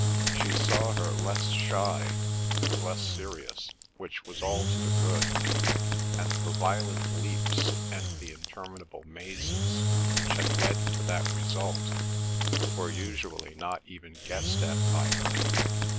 She saw her less shy, and less serious, which was all to the good, and the violent leaps and the interminable mazes which had led to that result were usually not even guessed at by her.